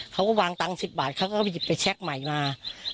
เขาก็วางตังค์๑๐บาทเขาก็ไปหยิบไปแชคใหม่มา